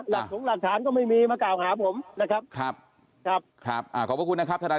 แล้วก็วันจันทร์๑๑โมงเช้าผมจะไปร้องบรรยาคท่อสภาษณ์ท่านนายนะครับ